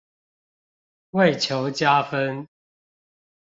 為求加分